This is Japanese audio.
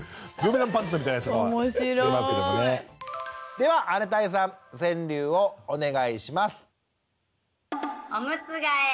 では姉帶さん川柳をお願いします。